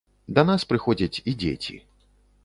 Да нас прыходзяць і дзеці.